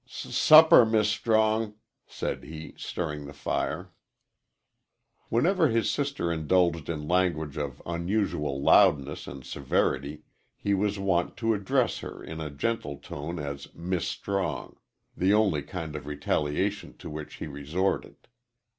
"S supper, Mis' Strong," said he, stirring the fire. Whenever his sister indulged in language of unusual loudness and severity he was wont to address her in a gentle tone as "Mis' Strong" the only kind of retaliation to which he resorted.